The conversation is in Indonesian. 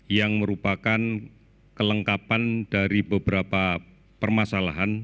yang merupakan kelengkapan dari beberapa permasalahan